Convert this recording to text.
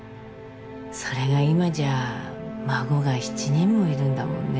「それが今じゃ孫が７人もいるんだもんね」